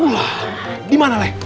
wah di mana le